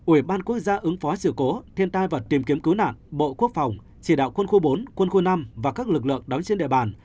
ủy ban quốc gia ứng phó sự cố thiên tai vật tìm kiếm cứu nạn bộ quốc phòng chỉ đạo khuôn khu bốn khuôn khu năm và các lực lượng đón chiến địa bàn